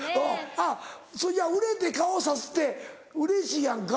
あっ売れて顔さすってうれしいやんか。